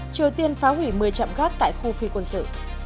triều tiên phá hủy một mươi trạm gác tại khu phi quân sự